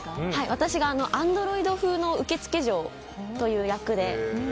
私がアンドロイド風の受付嬢という役で。